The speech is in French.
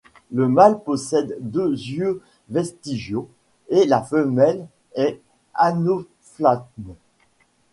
Le mâle possède deux yeux vestigiaux et la femelle est anophthalme.